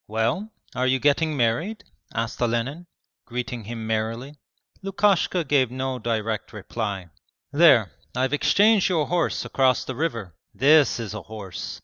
'Well? Are you getting married?' asked Olenin, greeting him merrily. Lukashka gave no direct reply. 'There, I've exchanged your horse across the river. This is a horse!